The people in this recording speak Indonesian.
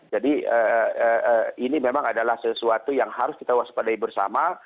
jadi ini memang adalah sesuatu yang harus kita waspadai bersama